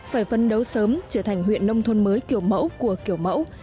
phải phân đấu sớm trở thành huyện nông thôn mới kiểu mẫu của kiểu mẫu